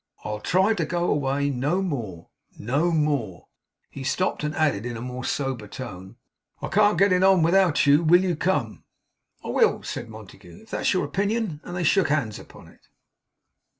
I'll try to go away no more no more!' He stopped, and added in a more sober tone, 'I can't get on without you. Will you come?' 'I will,' said Montague, 'if that's your opinion.' And they shook hands upon it.